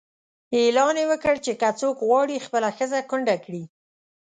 اعلان یې وکړ چې که څوک غواړي خپله ښځه کونډه کړي.